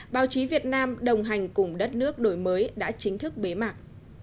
báo chí việt nam đồng hành cùng đất nước đổi mới đã chính thức bế mạc